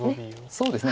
そうですね。